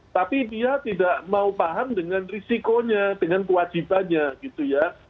tapi dia tidak mau paham dengan risikonya dengan kewajibannya gitu ya